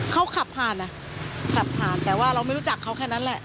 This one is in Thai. เขาขับผ่านอ่ะขับผ่านแต่ว่าเราไม่รู้จักเขาแค่นั้นแหละ